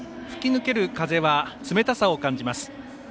吹き抜ける風は冷たさを感じます。